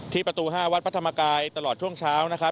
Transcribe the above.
ที่ประตู๕วัดพระธรรมกายตลอดช่วงเช้า